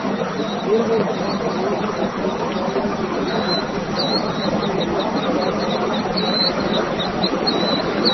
வீரர்களுக்கு நிலையங்கள், தெய்வங்களுக்குக் கோயில்கள், வாழ்வதற்கு வீடுகள், வெற்றிக்குச் சின்னங்கள் எல்லாம் கல்லாலும் மண்ணாலும் பொன்னாலும் சிற்பிகளால் நிர்மாணிக்கப்பட்டிருக்கின்றன.